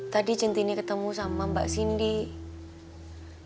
tadi cinti ini ketemu sama mbak cindy